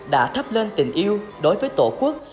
đã thắp lên tình yêu đối với tổ quốc